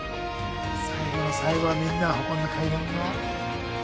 最後の最後はみんなを運んだ階段が。